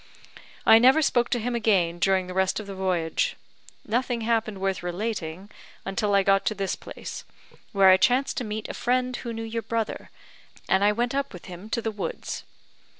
I never spoke to him again during the rest of the voyage. Nothing happened worth relating until I got to this place, where I chanced to meet a friend who knew your brother, and I went up with him to the woods.